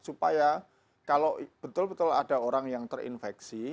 supaya kalau betul betul ada orang yang terinfeksi